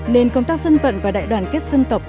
nên công tác dân vận và đại đoàn kết dân tộc